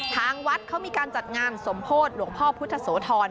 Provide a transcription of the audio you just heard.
ทางวัดเขามีการจัดงานสมโพธิหลวงพ่อพุทธโสธร